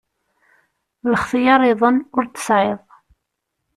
Lxetyar-iḍen ur t-tesεiḍ.